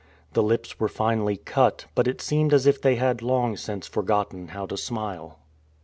The lips were finely cut, but it seemed as if they had long since forgotten how to smile.